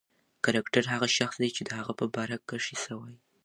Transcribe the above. کرکټر هغه شخص دئ، چي د هغه په باره کښي څه وايي.